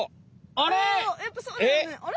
あれ？